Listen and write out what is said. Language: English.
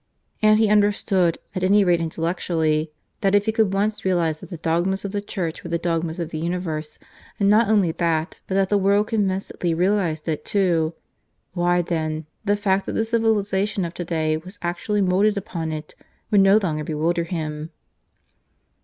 And he understood, at any rate intellectually, that if he could once realize that the dogmas of the Church were the dogmas of the universe; and not only that, but that the world convincedly realized it too; why then, the fact that the civilization of to day was actually moulded upon it would no longer bewilder him.